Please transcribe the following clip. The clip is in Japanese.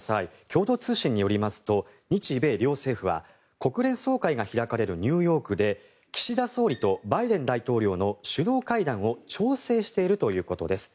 共同通信によりますと日米両政府は国連総会が開かれるニューヨークで岸田総理とバイデン大統領の首脳会談を調整しているということです。